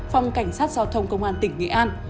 phòng cảnh sát giao thông công an tỉnh nghệ an